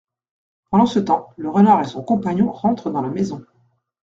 Pendant ce temps, le renard et son compagnon rentrent dans la maison.